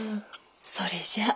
それじゃあ。